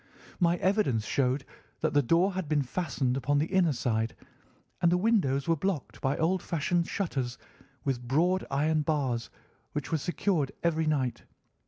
My evidence showed that the door had been fastened upon the inner side, and the windows were blocked by old fashioned shutters with broad iron bars, which were secured every night.